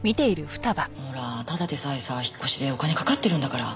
ほらただでさえさ引っ越しでお金かかってるんだから。